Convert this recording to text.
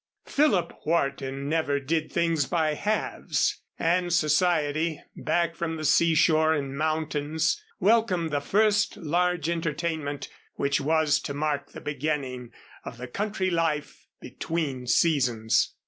Philip Wharton never did things by halves, and society, back from the seashore and mountains, welcomed the first large entertainment which was to mark the beginning of the country life between seasons.